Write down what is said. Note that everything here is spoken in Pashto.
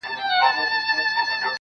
و تاته چا زما غلط تعريف کړی و خدايه,